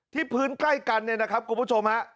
พื้นใกล้กันเนี่ยนะครับคุณผู้ชมฮะ